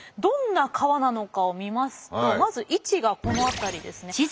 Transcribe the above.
どんな川なのかを見ますとまず位置がこの辺りですね。